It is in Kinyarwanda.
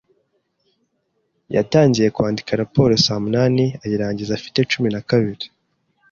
Yatangiye kwandika raporo saa munani, ayirangiza afite cumi na kabiri.